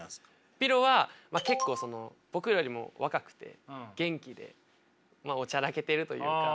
ｐｉｒｏは結構僕よりも若くて元気でおちゃらけてるというか。